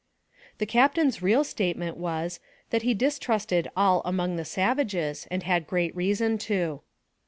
The captain's real statement was, that he distrusted all among the savages, and had great reason to.